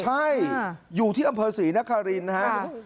ใช่อยู่ที่อำเภอศรีนครินนะครับ